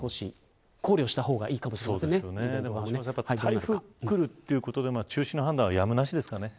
台風が来るってことで中止の判断はやむなしですかね。